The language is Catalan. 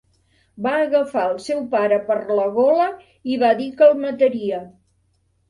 Va agafar el seu pare per la gola i va dir que el mataria.